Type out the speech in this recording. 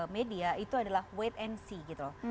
media itu adalah wait and see gitu loh